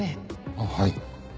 あっはい。